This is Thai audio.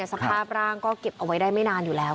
สภาพร่างก็เก็บเอาไว้ได้ไม่นานอยู่แล้ว